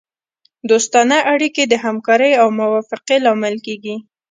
دوستانه اړیکې د همکارۍ او موافقې لامل کیږي